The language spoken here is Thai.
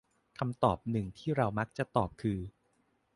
คำตอบหนึ่งที่เรามักจะตอบคือ